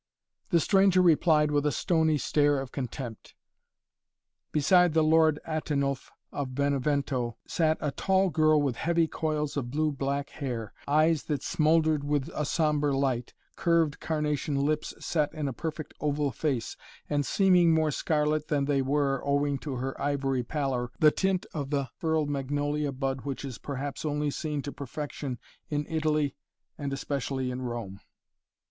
The stranger replied with a stony stare of contempt. Beside the Lord Atenulf of Benevento sat a tall girl with heavy coils of blue black hair, eyes that smouldered with a sombre light, curved carnation lips set in a perfect, oval face, and seeming more scarlet than they were, owing to her ivory pallor, the tint of the furled magnolia bud which is, perhaps, only seen to perfection in Italy and especially in Rome.